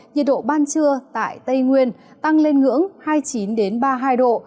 nhiệt độ ban trưa tại tây nguyên tăng lên ngưỡng hai mươi chín ba mươi hai độ